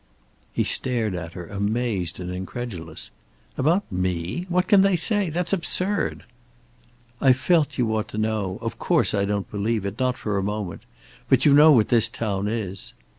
He stared at her, amazed and incredulous. "About me? What can they say? That's absurd." "I felt you ought to know. Of course I don't believe it. Not for a moment. But you know what this town is."